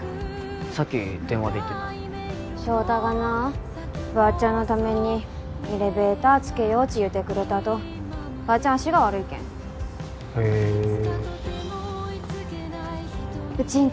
さっき電話で言ってた翔太がなばーちゃんのためにエレベーターつけようち言うてくれたとばーちゃん足が悪いけんへえウチんち